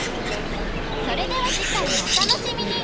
それでは次回もお楽しみに！